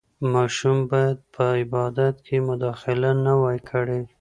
ماشوم باید په عبادت کې مداخله نه وای کړې.